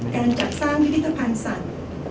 การจัดสร้างพิพิธภัณฑ์สัตว์